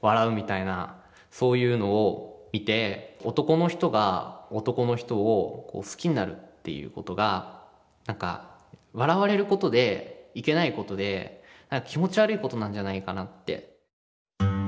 男の人が男の人を好きになるっていうことが笑われることでいけないことで気持ち悪いことなんじゃないかなって。